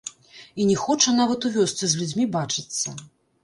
І не хоча нават у вёсцы з людзьмі бачыцца.